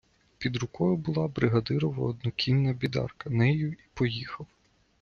Під рукою була бригадирова однокінна бідарка - нею й поїхав.